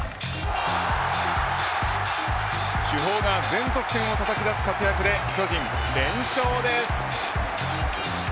主砲が全得点をたたき出す活躍で巨人、連勝です。